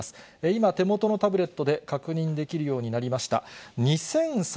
今、手元のタブレットで確認できるようになりました。